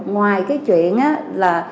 ngoài cái chuyện là